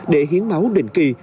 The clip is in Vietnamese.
để hiến máu định kỳ